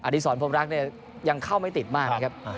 ดีศรพรมรักเนี่ยยังเข้าไม่ติดมากนะครับ